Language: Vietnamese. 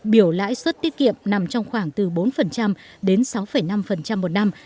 biểu lãi suất tiết kiệm nằm trong khoảng từ bốn đến sáu năm một năm